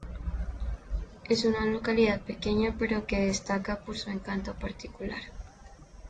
Es una localidad pequeña pero que destaca por su encanto particular.